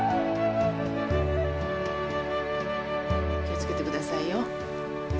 気をつけて下さいよ。